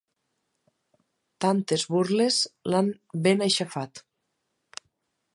Tantes burles l'han ben aixafat.